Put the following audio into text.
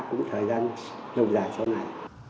cũng thời gian lâu dài sau này